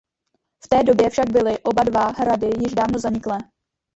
V té době však byly oba dva hrady již dávno zaniklé.